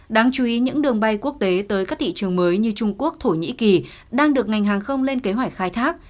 đáng chú ý những đường bay quốc tế tới các thị trường mới như trung quốc thổ nhĩ kỳ đang được ngành hàng không lên kế hoạch khai thác